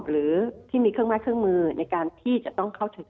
หรือที่มีเครื่องไม้เครื่องมือในการที่จะต้องเข้าถึง